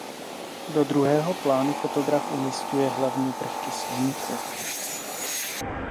Do "druhého plánu" fotograf umísťuje hlavní prvky snímku.